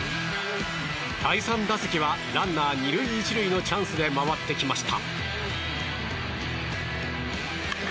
第３打席はランナー１、２塁のチャンスで回ってきました。